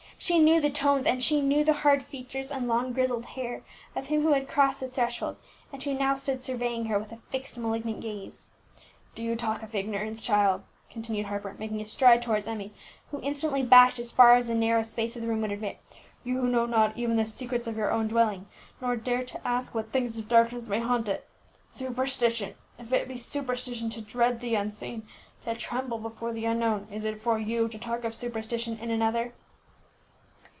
She knew the tones, and she knew the hard features and long grizzled hair of him who had crossed the threshold, and who now stood surveying her with a fixed malignant gaze. "Do you talk of ignorance, child," continued Harper, making a stride towards Emmie, who instantly backed as far as the narrow space of the room would admit, "you who know not even the secrets of your own dwelling, nor dare to ask what things of darkness may haunt it! Superstition! if it be superstition to dread the unseen, to tremble before the unknown, is it for you to talk of superstition in another?"